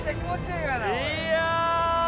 いや。